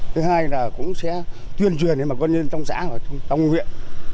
thứ hai là cũng sẽ tuyên truyền cho bà con lên trong xã trong huyện